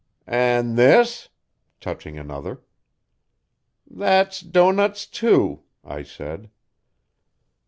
'An' this,' touching another. 'That's doughnuts too,' I said.